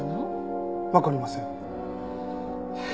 わかりません。